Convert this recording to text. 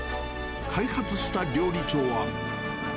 開発した料理長は。